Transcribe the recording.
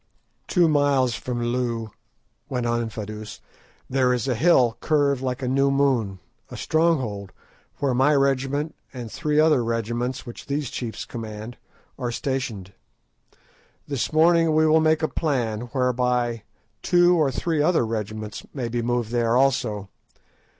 "Two miles from Loo," went on Infadoos, "there is a hill curved like a new moon, a stronghold, where my regiment, and three other regiments which these chiefs command, are stationed. This morning we will make a plan whereby two or three other regiments may be moved there also.